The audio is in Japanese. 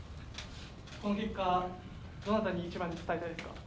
この結果をどなたに一番に伝えたいですか？